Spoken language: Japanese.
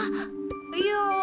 いや。